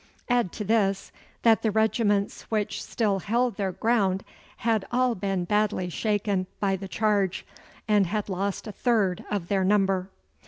Add to this that the regiments which still held their ground had all been badly shaken by the charge, and had lost a third of their number.